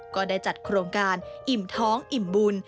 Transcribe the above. ก็ได้จัดโครงการอิ่มท้องอิ่มบุญ